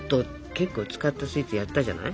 結構使ったスイーツやったじゃない？